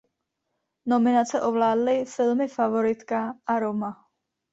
Nominace ovládly filmy "Favoritka" a "Roma".